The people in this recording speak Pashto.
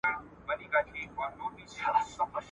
هیڅا د کلیسا مخالفت نسوای کولای.